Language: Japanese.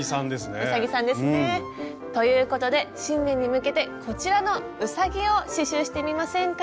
うさぎさんですね。ということで新年に向けてこちらのうさぎを刺しゅうしてみませんか？